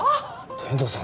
天堂さん